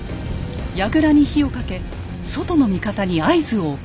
やぐらに火をかけ外の味方に合図を送ります。